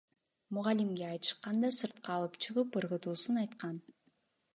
Мугалимге айтышканда, сыртка алып чыгып ыргытуусун айткан.